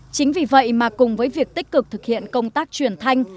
chính vì vậy mà cùng với việc tích cực thực hiện công tác truyền thanh